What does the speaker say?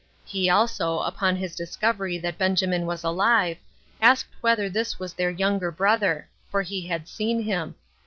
He also, upon his discovery that Benjamin was alive, asked whether this was their younger brother; for he had seen him.